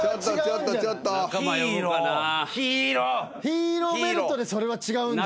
ヒーローベルトでそれは違うんじゃない？